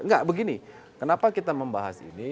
enggak begini kenapa kita membahas ini